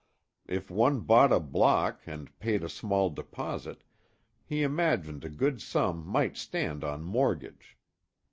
If one bought a block and paid a small deposit, he imagined a good sum might stand on mortgage.